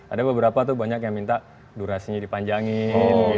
ada beberapa tuh banyak yang minta durasinya dipanjangin